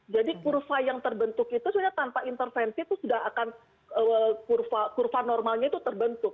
jadi kurva yang terbentuk itu sebenarnya tanpa intervensi itu sudah akan kurva normalnya itu terbentuk